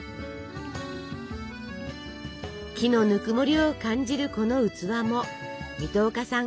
木のぬくもりを感じるこの器も水戸岡さん